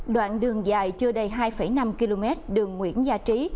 đoạn đường dài chưa đầy hai năm km đường nguyễn gia trí